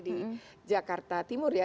di jakarta timur ya